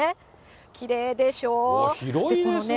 きれいでしょう。